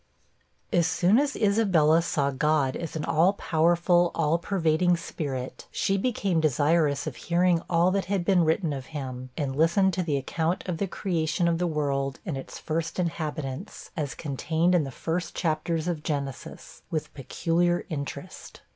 As soon as Isabella saw God as an all powerful, all pervading spirit, she became desirous of hearing all that had been written of him, and listened to the account of the creation of the world and its first inhabitants, as contained in the first chapters of Genesis, with peculiar interest.